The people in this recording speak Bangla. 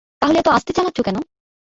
তাহলে এত আস্তে চালাচ্ছ কেন?